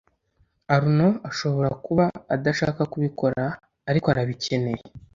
arnaud ashobora kuba adashaka kubikora, ariko arabikeneye